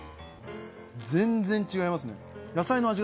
全然違いますね。